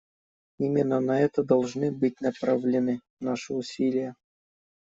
Именно на это должны быть направлены наши усилия.